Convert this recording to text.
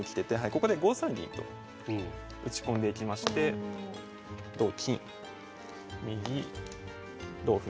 ここで５三銀と打ち込んでいきまして同金右同歩